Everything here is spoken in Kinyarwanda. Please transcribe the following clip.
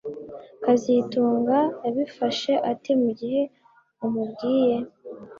kazitunga yabifashe ate mugihe umubwiye